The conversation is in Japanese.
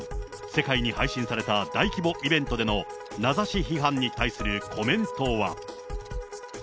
世界に配信された大規模イベントでの名指し批判に対するコメントは。